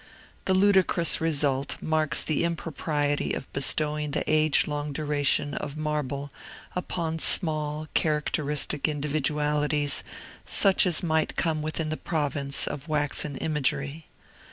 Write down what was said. The ludicrous result marks the impropriety of bestowing the age long duration of marble upon small, characteristic individualities, such as might come within the province of waxen imagery.